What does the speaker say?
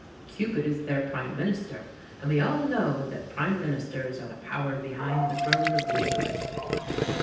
Cupid is their prime minister, and we all know that prime ministers are the power behind the throne of rulers.